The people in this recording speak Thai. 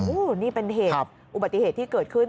โอ้โหนี่เป็นเหตุอุบัติเหตุที่เกิดขึ้น